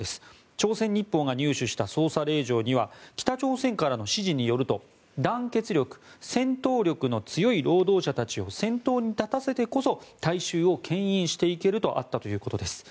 朝鮮日報が入手した捜査令状には北朝鮮からの指示によると団結力戦闘力の強い労働者たちを先頭に立たせてこそ大衆をけん引していけるとあったということです。